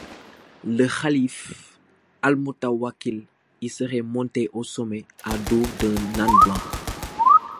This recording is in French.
Le calife Al-Mutawakkil y serait monté au sommet à dos d'un âne blanc.